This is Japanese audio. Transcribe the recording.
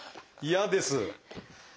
嫌です。